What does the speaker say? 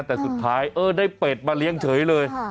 แต่สุดท้ายเออได้เป็ดมาเลี้ยงเฉยเลย